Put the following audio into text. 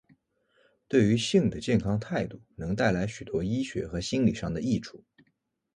对于性的健康态度能带来许多医学和心里上的益处。